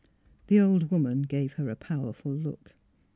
The old woman gave her a powerful look.